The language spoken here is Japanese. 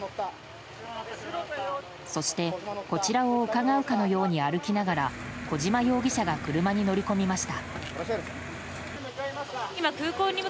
そして、こちらをうかがうかのように歩きながら小島容疑者が車に乗り込みました。